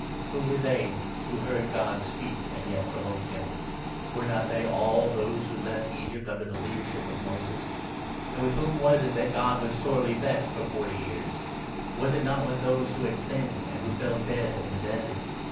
Who were they who heard God speak and yet provoked him ? Were not they all those who left Egypt under the leadership of Moses ? And with whom was it that God was sorely vexed for forty years ? Was not it with those who had sinned, and who fell dead in the desert?